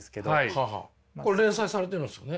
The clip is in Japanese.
これ連載されてるんですよね。